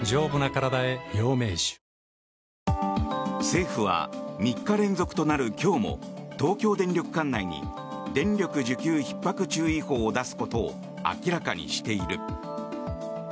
政府は３日連続となる今日も東京電力管内に電力需給ひっ迫注意報を出すことを明らかにしている。